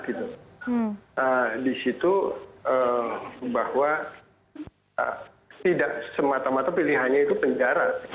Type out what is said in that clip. di situ bahwa tidak semata mata pilihannya itu penjara